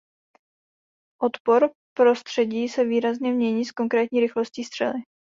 Odpor prostředí se výrazně mění s konkrétní rychlostí střely.